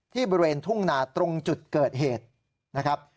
บริเวณทุ่งนาตรงจุดเกิดเหตุนะครับ